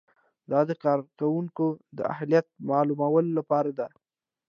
دا د کارکوونکي د اهلیت معلومولو لپاره ده.